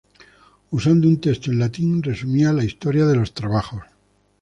Usando un texto en latín, resumía la historia de los trabajos.